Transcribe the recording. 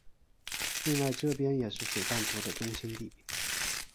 另外这边也是水半球的中心地。